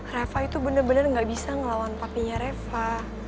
reva itu bener bener gak bisa ngelawan papinya reva